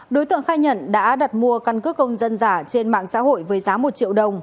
đối tượng khai nhận đã đặt mua căn cước công dân giả trên mạng xã hội với giá một triệu đồng